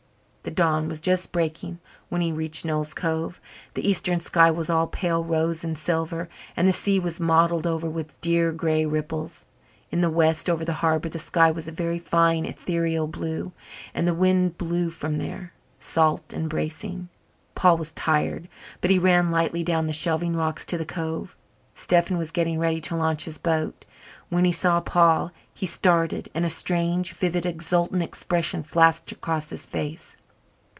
The dawn was just breaking when he reached Noel's Cove. The eastern sky was all pale rose and silver, and the sea was mottled over with dear grey ripples. In the west over the harbour the sky was a very fine ethereal blue and the wind blew from there, salt and bracing. Paul was tired, but he ran lightly down the shelving rocks to the cove. Stephen was getting ready to launch his boat. When he saw Paul he started and a strange, vivid, exultant expression flashed across his face.